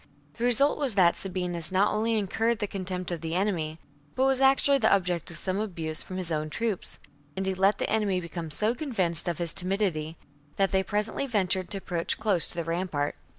The result was that Sabinus not only incurred the contempt of the enemy, but was actually the object of some abuse from his own troops ; and he let the enemy become so convinced of his timidity that they presently ventured to approach close to the rampart.